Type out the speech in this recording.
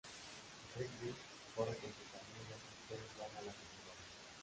Rigby corre con sus amigos y todos van a la secundaría.